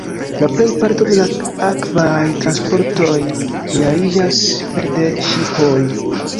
La plej parto de la akvaj transportoj realiĝas pere de ŝipoj.